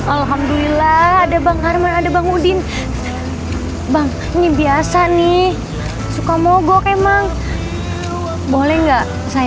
alhamdulillah ada bang arman ada bang udin bang ini biasa nih suka mogok emang boleh enggak saya